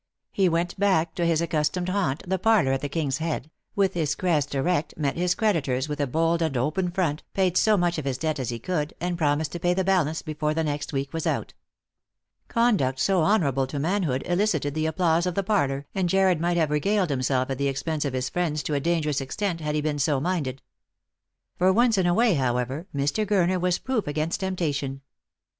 He went back to his accustomed haunt — the parlour at the King's Head — with his crest erect met his creditors with a Xo*t for Love. 309 bold and open front, paid &o much of his debt as he could, and promised to pay the balance before the next week was out. Conduct so honourable to manhood elicited the applause of the parlour, and Jarred might have regaled himself at tho expense of his friends to a dangerous extent had he been so minded. For once in a way, however, Mr. Gurner was proof against temptation.